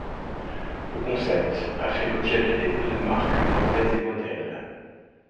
Le concept a fait l'objet de dépôts de marques, brevets et modèles.